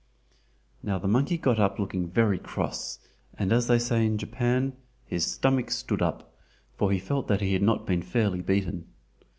Now the monkey got up looking very cross, and as they say in Japan "his stomach stood up," for he felt that he had not been fairly beaten.